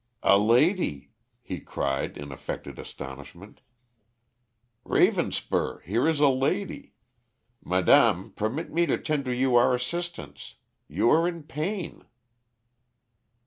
"A lady," he cried in affected astonishment. "Ravenspur, here is a lady! Madame permit me to tender you our assistance. You are in pain."